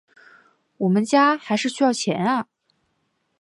我们家还是需要钱啊